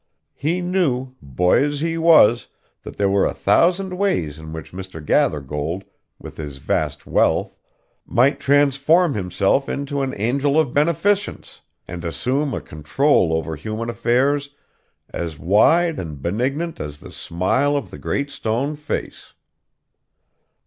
He knew, boy as he was, that there were a thousand ways in which Mr. Gathergold, with his vast wealth, might transform himself into an angel of beneficence, and assume a control over human affairs as wide and benignant as the smile of the Great Stone Face.